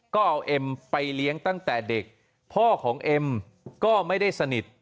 ก็เอาเอ็มไปเลี้ยงตั้งแต่เด็กพ่อของเอ็มก็ไม่ได้สนิท